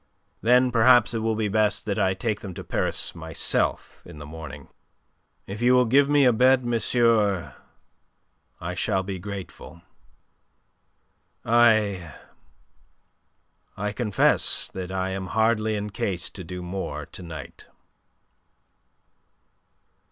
Then perhaps it will be best that I take them to Paris myself, in the morning. If you will give me a bed, monsieur, I shall be grateful. I... I confess that I am hardly in case to do more to night."